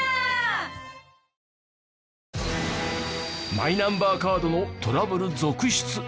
マイナンバーカードのトラブル続出。